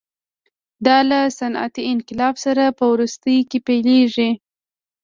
دا له صنعتي انقلاب سره په وروستیو کې پیلېږي.